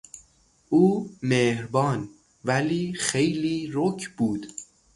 او مهربان ولی خیلی رک بود.